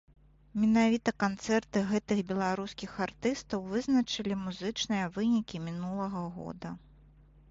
Менавіта канцэрты гэтых беларускіх артыстаў вызначылі музычныя вынікі мінулага года.